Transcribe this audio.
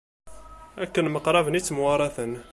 Akken myeqṛaben i ttemwaṛaten.